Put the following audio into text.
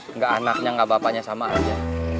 enggak anaknya nggak bapaknya sama aja